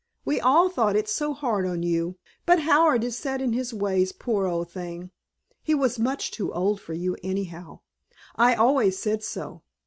"We all thought it so hard on you, but Howard is set in his ways, poor old thing. He was much too old for you anyhow. I always said so.